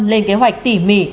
lên kế hoạch tỉ mỉ